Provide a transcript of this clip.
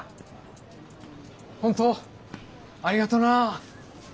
本当ありがとうな。